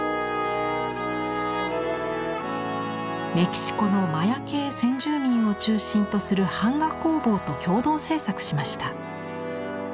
メキシコのマヤ系先住民を中心とする版画工房と共同制作しました。